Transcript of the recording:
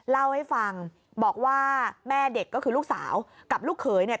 เล่าให้ฟังบอกว่าแม่เด็กก็คือลูกสาวกับลูกเขยเนี่ย